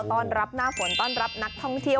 ต้อนรับหน้าฝนต้อนรับนักท่องเที่ยว